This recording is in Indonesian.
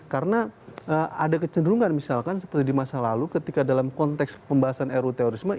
karena ada kecenderungan misalkan seperti di masa lalu ketika dalam konteks pembahasan ru teorisme